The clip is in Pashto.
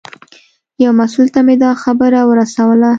یو مسوول ته مې دا خبره ورسوله.